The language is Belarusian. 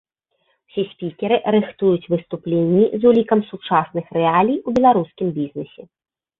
Усе спікеры рыхтуюць выступленні з улікам сучасных рэалій у беларускім бізнесе.